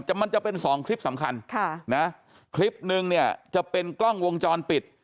ก็จะเป็น๒คลิปสำคัญคลิปหนึ่งเนี่ยจะเป็นกล้องวงจรปิด